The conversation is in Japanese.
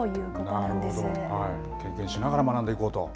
なるほど、経験しながら学んでいこうと。